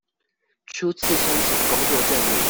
初次申請工作證明